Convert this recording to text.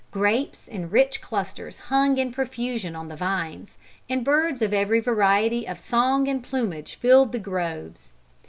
Grapes in rich clusters hung in profusion on the vines, and birds of every variety of song and plumage filled the groves.